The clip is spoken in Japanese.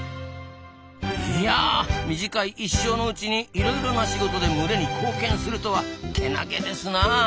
いや短い一生のうちにいろいろな仕事で群れに貢献するとはけなげですなあ。